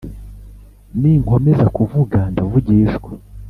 Ninkomeza kuvuga ndavugishwa